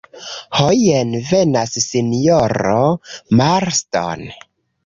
Ho, jen venas sinjoro Marston.